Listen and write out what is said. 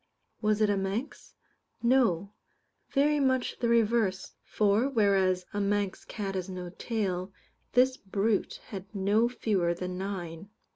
Was it a Manx? No; very much the reverse, for, whereas a Manx cat has no tail, this brute had no fewer than nine.